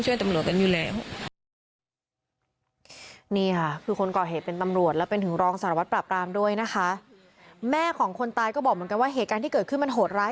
ไม่ธรรมดาเพราะตำรวจมันก็ต้องช่วยตำรวจกันอยู่แล้ว